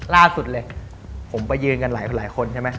ล่าสุดเลยผมไปยืนกันหลายคนใช่ไหม